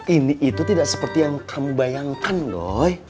ini itu tidak seperti yang kamu bayangkan loh